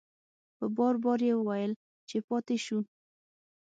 په بار بار یې وویل چې پاتې شو.